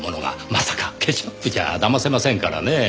まさかケチャップじゃだませませんからねぇ。